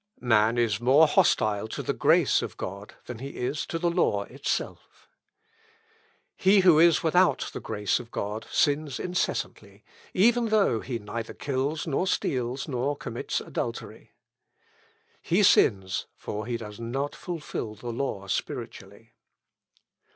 "Man is more hostile to the grace of God than he is to the law itself. "He who is without the grace of God sins incessantly, even though he neither kills, nor steals, nor commits adultery. "He sins, for he does not fulfil the law spiritually.